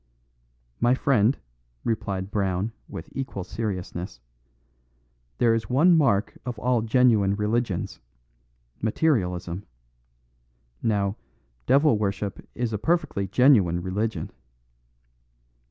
"My friend," replied Brown, with equal seriousness, "there is one mark of all genuine religions: materialism. Now, devil worship is a perfectly genuine religion."